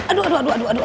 aduh aduh aduh